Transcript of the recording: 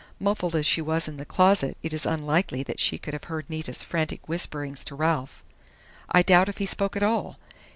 Muffled as she was in the closet, it is unlikely that she could have heard Nita's frantic whisperings to Ralph.... I doubt if he spoke at all.